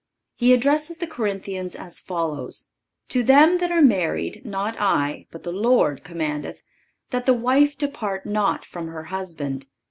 He addresses the Corinthians as follows: "To them that are married not I, but the Lord, commandeth that the wife depart not from her husband.